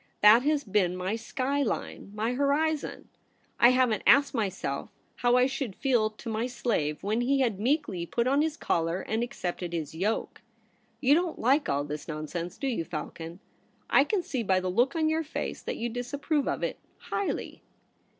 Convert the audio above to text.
That has been my sky Hne, my horizon. I haven't asked myself how I should feel to my slave when he had meekly put on his collar and accepted his yoke. You don't like all this nonsense, do you, Falcon ? I can see by the look on your face that you disapprove of it highly